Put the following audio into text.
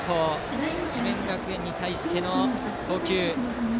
智弁学園に対しての投球。